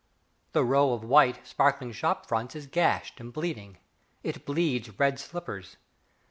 The row of white, sparkling shop fronts is gashed and bleeding, it bleeds red slippers.